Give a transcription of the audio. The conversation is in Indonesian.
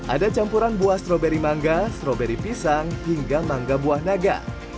ada campuran buah stroberi mangga stroberi pisang hingga mangga buah naga